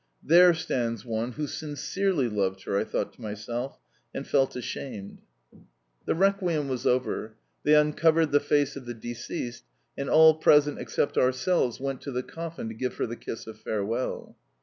"There stands one who SINCERELY loved her," I thought to myself, and felt ashamed. The requiem was over. They uncovered the face of the deceased, and all present except ourselves went to the coffin to give her the kiss of farewell.